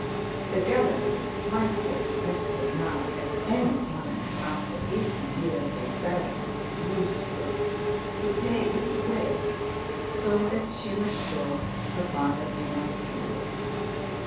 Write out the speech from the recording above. The Gallery might be expected now at any time, after eighteen years of barren usufruct, to pay its way, so that she was sure her father would not feel it.